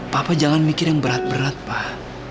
papa jangan mikir yang berat berat pak